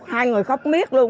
hai người khóc miếc luôn